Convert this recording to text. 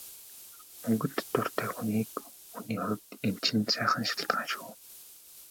Мөнгөнд дуртай хүний хувьд энэ чинь сайхан шалтгаан шүү.